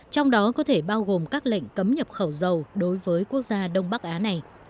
trong đó có thể bao gồm các lệnh cấm nhập khẩu dầu đối với quốc gia đông bắc á này